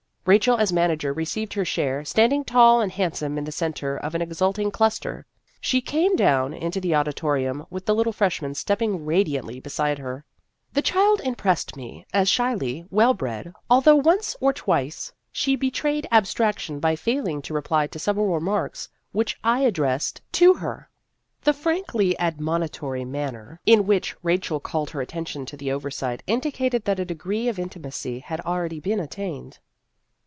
Rachel as manager re ceived her share, standing tall and handsome in the centre of an exulting cluster. She came down into the audi torium with the little freshman stepping ra diantly beside her. The child impressed me as shyly well bred, although once or twice she betrayed abstraction by failing to re ply to several remarks which I addressed Heroic Treatment 89 to her. The frankly admonitory manner in which Rachel called her attention to the oversight indicated that a degree of intimacy had already been attained.